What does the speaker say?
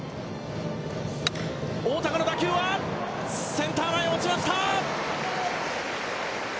大高の打球はセンター前に落ちました！